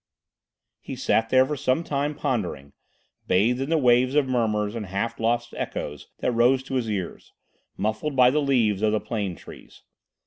He sat there for some time pondering, bathed in the waves of murmurs and half lost echoes that rose to his ears, muffled by the leaves of the plane trees.